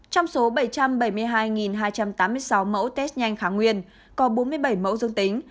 trong số bảy trăm bảy mươi hai hai trăm tám mươi sáu mẫu test nhanh kháng nguyên có bốn mươi bảy mẫu dương tính